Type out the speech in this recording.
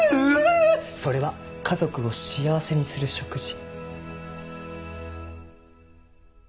それは家族を幸せにする食事。